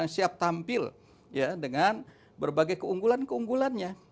siap tampil dengan berbagai keunggulan keunggulannya